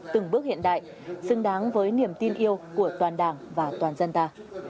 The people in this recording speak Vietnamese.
từng bước hiện đại xứng đáng với niềm tin yêu của toàn đảng và toàn dân ta